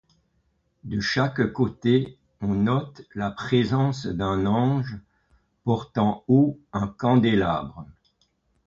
De chaque côté on note la présence d'un ange portant haut un candélabre.